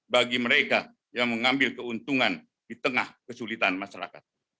bagi mereka yang mengambil keuntungan di tengah kesulitan masyarakat